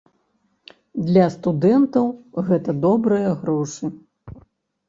Для студэнтаў гэта добрыя грошы.